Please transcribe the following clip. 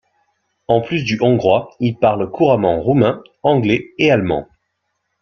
En plus du hongrois, il parle couramment roumain, anglais et allemand.